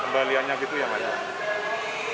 pembeliannya gitu ya pak